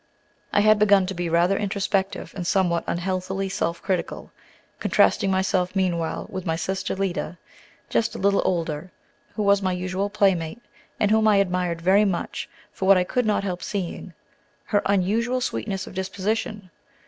I had begun to be rather introspective and somewhat unhealthily self critical, contrasting myself meanwhile with my sister Lida, just a little older, who was my usual playmate, and whom I admired very much for what I could not help seeing, her unusual sweetness of disposition.